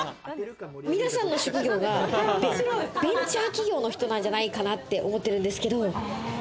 皆さんの職業がベンチャー企業の人なんじゃないかなって思ってるんですけれども。